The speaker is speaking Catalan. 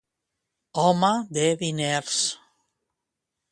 Home de diners.